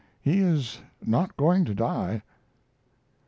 He is not going to die."